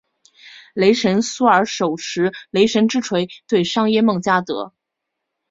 雷神索尔手持雷神之锤对上耶梦加得。